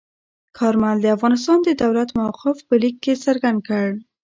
کارمل د افغانستان د دولت موقف په لیک کې څرګند کړ.